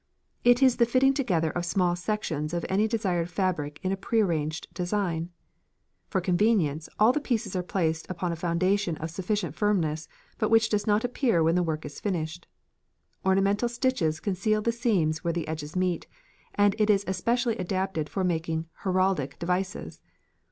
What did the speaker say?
It is the fitting together of small sections of any desired fabric in a prearranged design. For convenience, all the pieces are placed upon a foundation of sufficient firmness, but which does not appear when the work is finished. Ornamental stitches conceal the seams where the edges meet, and it is especially adapted for making heraldic devices.